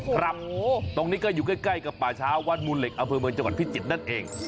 ครับตรงนี้ก็อยู่ใกล้กับป่าช้าวัดมูลเหล็กอำเภอเมืองจังหวัดพิจิตรนั่นเอง